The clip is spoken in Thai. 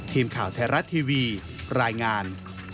ทีมข่าวไทยรัฐทีวีรายงาน